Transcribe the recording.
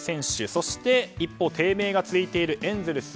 そして一方、低迷が続いているエンゼルス。